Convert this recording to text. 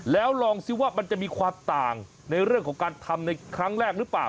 แล้วลองซิว่ามันจะมีความต่างในเรื่องของการทำในครั้งแรกหรือเปล่า